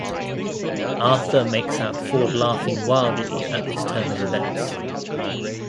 Arthur makes out Ford laughing wildly at this turn of events.